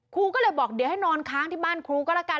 ครูก็เลยบอกเดี๋ยวให้นอนค้างที่บ้านครูก็แล้วกัน